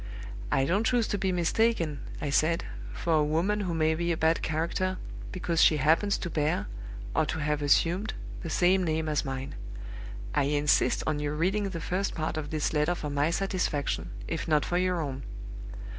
'I don't choose to be mistaken,' I said, 'for a woman who may be a bad character, because she happens to bear, or to have assumed, the same name as mine. I insist on your reading the first part of this letter for my satisfaction, if not for your own.